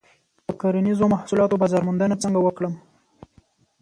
د کرنیزو محصولاتو بازار موندنه څنګه وکړم؟